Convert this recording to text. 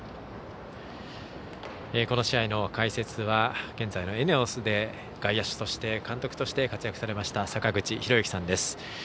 この試合の解説は現在のＥＮＥＯＳで外野手そして監督として活躍されました坂口裕之さんです。